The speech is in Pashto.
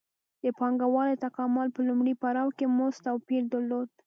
د پانګوالۍ د تکامل په لومړي پړاو کې مزد توپیر درلود